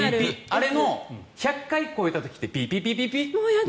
あれの１００回超えた時ってピピピピピ。